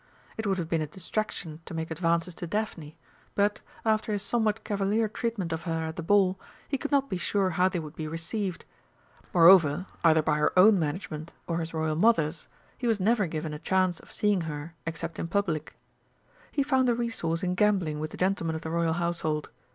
It would have been a distraction to make advances to Daphne, but, after his somewhat cavalier treatment of her at the Ball, he could not be sure how they would be received. Moreover, either by her own management or his Royal Mother's, he was never given a chance of seeing her except in public. He found a resource in gambling with the gentlemen of the Royal Household.